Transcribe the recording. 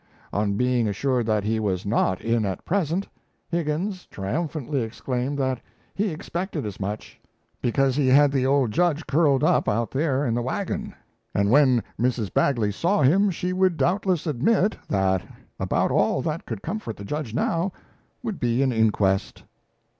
On being assured that he was not in at present, Higgins triumphantly exclaimed that he expected as much. Because he had the old Judge curled up out there in the wagon; and when Mrs. Bagley saw him, she would doubtless admit that about all that could comfort the Judge now would be an inquest!